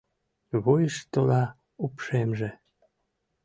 Вуйышто-ла упшемже